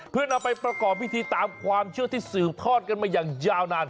เพื่อนำไปประกอบพิธีตามความเชื่อที่สืบทอดกันมาอย่างยาวนาน